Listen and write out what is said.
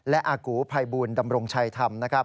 และอากูภัยบุญดำรงชัยธรรม